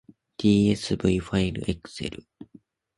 tsv ファイルエクセル